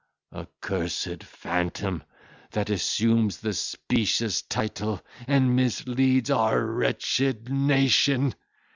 "Accursed phantom! that assumes the specious title, and misleads our wretched nation!